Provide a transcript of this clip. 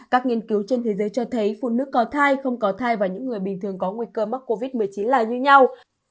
các nghiên cứu trên thế giới cho thấy phụ nữ có thai không có thai và những người bình thường có nguy cơ mắc covid một mươi chín là như nhau